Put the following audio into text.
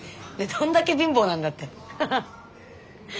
どんだけ貧乏なんだってハハ。